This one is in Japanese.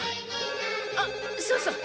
あっそうそう。